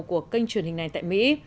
của kênh truyền hình này tại mỹ